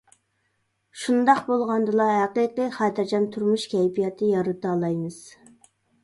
شۇنداق بولغاندىلا، ھەقىقىي خاتىرجەم تۇرمۇش كەيپىياتى يارىتالايمىز.